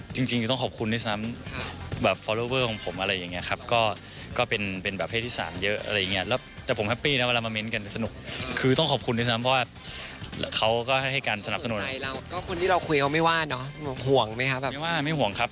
จริงต้องขอบคุณด้วยสนาม